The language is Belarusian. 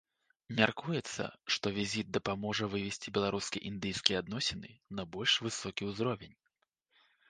Мяркуецца, што візіт дапаможа вывесці беларуска-індыйскія адносіны на больш высокі ўзровень.